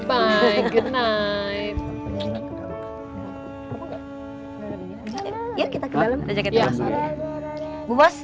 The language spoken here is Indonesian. ke dalam rakyatnya bu bos